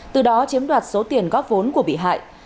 từ đó chiếm đoạt số tiền góp vốn của bị hại